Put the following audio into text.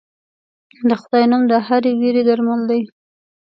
د خدای نوم د هرې وېرې درمل دی.